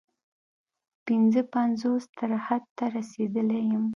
پنځه پنځوس تر حد ته رسېدلی یم.